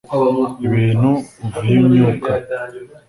ibintu vyunyuka